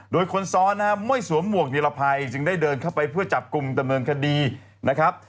โดยคนซ้อนม่วยสวมหมวกเดียรภัยจึงได้เดินเข้าไปเพื่อจับกลุ่มตะเมิงคดีนะครับ